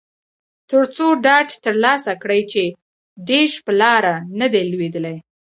ترڅو ډاډ ترلاسه کړي چې ډیش په لاره نه دی لویدلی